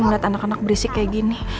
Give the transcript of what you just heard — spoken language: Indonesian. ngeliat anak anak berisik kayak gini